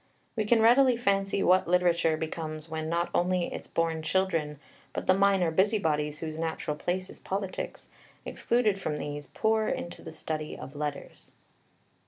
We can readily fancy what literature becomes when not only its born children, but the minor busybodies whose natural place is politics, excluded from these, pour into the study of letters.